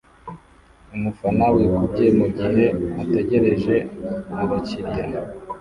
umufana wikubye mugihe ategereje abakiriya